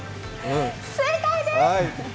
正解です！